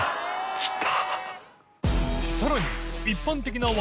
きた。